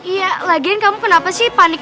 iya lagiin kamu kenapa sih panik